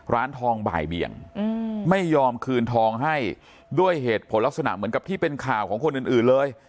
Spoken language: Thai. ร้านทองบ่ายเบี่ยงไม่ยอมคืนทองให้ด้วยเหตุผลลักษณะเหมือนกับที่เป็นข่าวของคนอื่นเลย